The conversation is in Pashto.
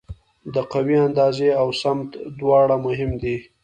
د قوې اندازه او سمت دواړه مهم دي.